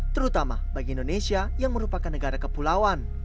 terutama bagi indonesia yang merupakan negara kepulauan